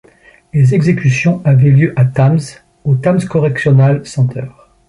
Les exécutions avait lieu à Tamms, au Tamms Correctional Center.